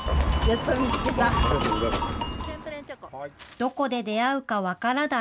どこで出会うか分からない